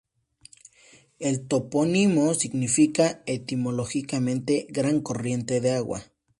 El topónimo significa etimológicamente "gran corriente de agua".